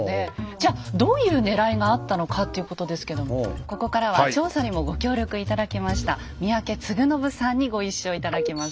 じゃあどういうねらいがあったのかっていうことですけどもここからは調査にもご協力頂きました三宅紹宣さんにご一緒頂きます。